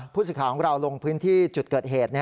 ผู้ศึกษาของเราลงพื้นที่จุดเกิดเหตุ